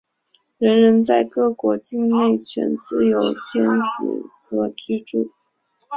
人人在各国境内有权自由迁徙和居住。